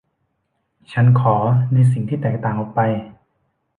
ฉันขอในสิ่งที่แตกต่างออกไป